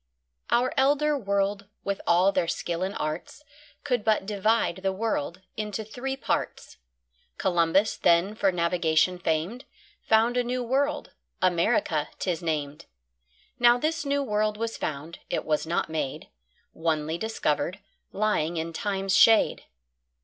Our Elder World, with all their Skill and Arts, Could but divide the World into three Parts: Columbus, then for Navigation fam'd, Found a new World, America 'tis nam'd; Now this new World was found, it was not made, Onely discovered, lying in Time's shade.